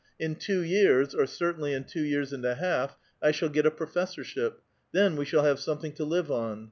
'•• In two years, or certainly in two years and a half, I shall get a professorship. Then we shall have something to live on.